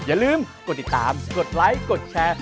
อย่าลืมกดติดตามกดไลค์กดแชร์